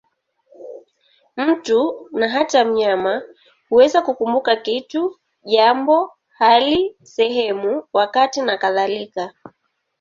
Mtu, na hata mnyama, huweza kukumbuka kitu, jambo, hali, sehemu, wakati nakadhalika.